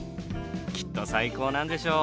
きっと最高なんでしょう？